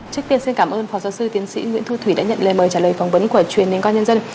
trước tiên xin cảm ơn phó giáo sư tiến sĩ nguyễn thu thủy đã nhận lời mời trả lời phỏng vấn của truyền liên quan nhân dân